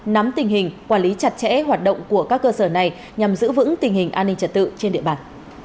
nắm tình hình quản lý chặt chẽ hoạt động của các cơ sở này nhằm giữ vững tình hình an ninh trật tự trên địa bàn